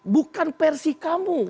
bukan versi kamu